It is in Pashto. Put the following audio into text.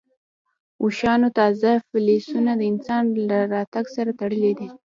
اوښانو تازه فسیلونه د انسان له راتګ سره تړلي دي.